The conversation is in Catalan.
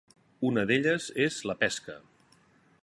Una d'elles és la pesca.